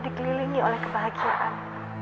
dikelilingi oleh kebahagiaan